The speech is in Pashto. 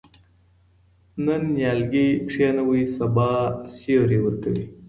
نن نیالګی کښېنوئ سبا سیوری ورکوي.